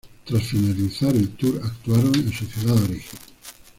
Tras finalizar el tour, actuaron en su ciudad de origen.